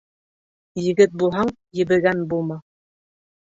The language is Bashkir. Егет булһаң, ебегән булма.